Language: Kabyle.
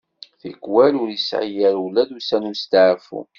Tikwal ur yesɛi ara ula d ussan i usteɛfu.